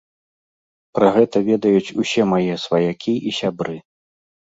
Пра гэта ведаюць усе мае сваякі і сябры.